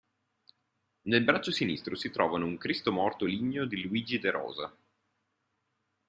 Nel braccio sinistro si trovano un Cristo morto ligneo di Luigi De Rosa.